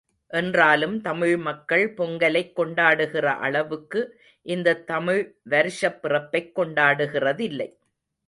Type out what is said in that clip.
என்றாலும் தமிழ் மக்கள் பொங்கலைக் கொண்டாடுகிற அளவுக்கு இந்தத் தமிழ் வருஷப் பிறப்பைக் கொண்டாடுகிறதில்லை.